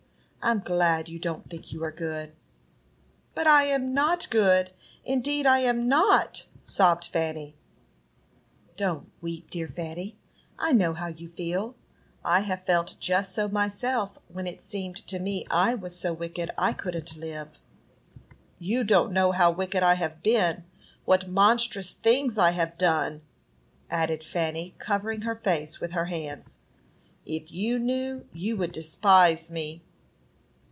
I'm glad you don't think you are good." "But I am not good, indeed I am not," sobbed Fanny. "Don't weep, dear Fanny. I know how you feel; I have felt just so myself, when it seemed to me I was so wicked I couldn't live." "You don't know how wicked I have been; what monstrous things I have done," added Fanny, covering her face with her hands. "If you knew, you would despise me."